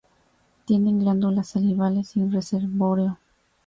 Tienen glándulas salivales sin reservorio.